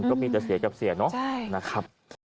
ก็มีแต่เสียกับเสียเนาะนะครับ